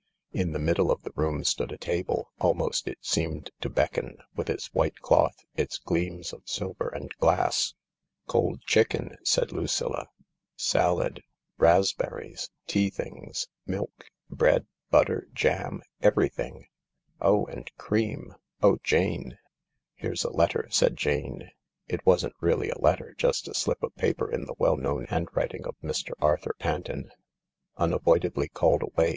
In the middle of the room stood a table — almost it seemed to beckon, with its white cloth, its gleams of silver ' and glass. " Cold chicken I " said Lucilla. " Salad — raspberries — tea things — milk — bread, butter, jam — everything I Oh, and cream ! Oh, Jane I " "Here's a letter," said Jane. It wasn't really a letter; just a slip of paper in the well known handwriting of Mr. Arthur Panton. " Unavoidably called away.